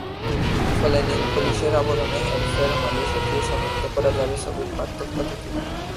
ফলে নেইলপলিশের আবরণে হেরফের হলে সেটিও শনাক্ত করা যাবে ছবির পার্থক্য থেকেই।